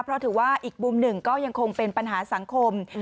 เพราะถือว่าอีกมุมหนึ่งก็ยังคงเป็นปัญหาสังคม